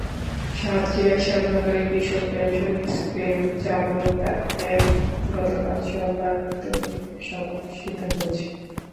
সাতক্ষীরার শ্যামনগরে কৃষক pension scheme চালুর দাবিতে গতকাল সোমবার মতবিনিময় সভা অনুষ্ঠিত হয়েছে।